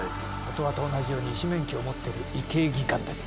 音羽と同じように医師免許を持ってる医系技官です